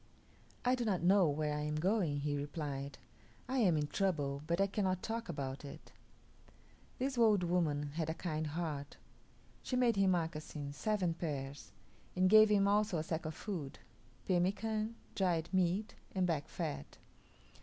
"I do not know where I am going," he replied; "I am in trouble, but I cannot talk about it." This old woman had a kind heart. She made him moccasins seven pairs; and gave him also a sack of food pemican, dried meat, and back fat.